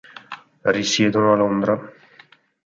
Risiedono a Londra.